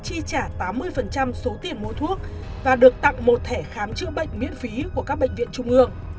nhà nước chi trả tám mươi số tiền mua thuốc và được tặng một thẻ khám chữa bệnh miễn phí của các bệnh viện trung ương